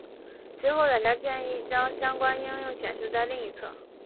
随后软件建议将相关应用显示在另一侧。